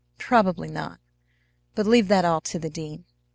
"Probably not. But leave that all to the dean.